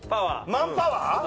マンパワー？